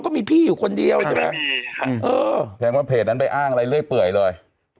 ก็มีพี่อยู่คนเดียวใช่ไหมเออแสดงว่าเพจนั้นไปอ้างอะไรเรื่อยเปื่อยเลย